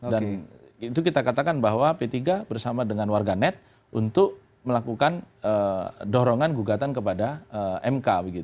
dan itu kita katakan bahwa p tiga bersama dengan warga net untuk melakukan dorongan gugatan kepada mp tiga